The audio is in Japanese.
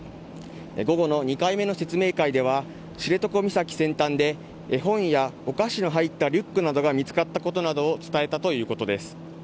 午後の２回目の説明会では知床岬先端で絵本やお菓子の入ったリュックなどが見つかったことなどを伝えたということです。